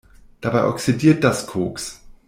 Dabei oxidiert das Koks.